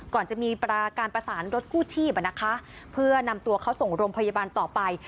ก่อนจะมีประการประสานรถคู่ทีบนะคะเพื่อนำตัวเขาส่งรมพยาบาลต่อไป